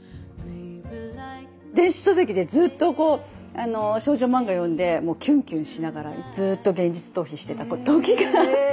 電子書籍でずっと少女漫画読んでキュンキュンしながらずっと現実逃避してた時があって。